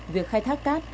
việc khai thác cát